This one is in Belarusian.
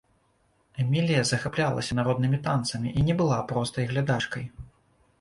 Эмілія захаплялася народнымі танцамі і не была простай глядачкай.